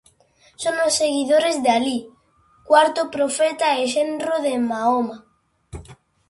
Son os seguidores de Alí, cuarto profeta e xenro de Mahoma.